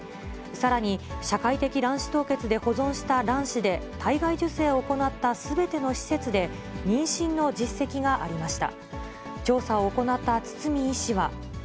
さらに社会的卵子凍結で保存した卵子で体外受精を行ったすべての施設で、妊娠の実績がありました。